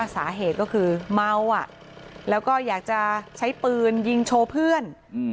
สาเหตุก็คือเมาแล้วก็อยากจะใช้ปืนยิงโชว์เพื่อน